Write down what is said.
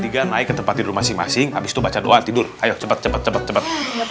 tiga naik ke tempat tidur masing masing habis itu baca doa tidur ayo cepet cepet cepet cepet